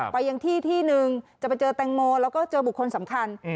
ไปยังที่ที่หนึ่งจะไปเจอแตงโมแล้วก็เจอบุคคลสำคัญ